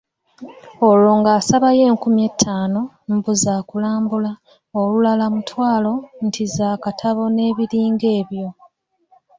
Olwo ng'asabayo enkumi ettaano, mbu zakulambula, olulala mutwalo, nti za katabo n'ebiringa ebyo.